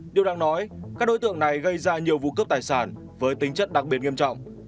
điều đang nói các đối tượng này gây ra nhiều vụ cướp tài sản với tính chất đặc biệt nghiêm trọng